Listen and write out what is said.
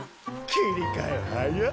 切り替え早っ！